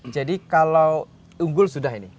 jadi kalau unggul sudah ini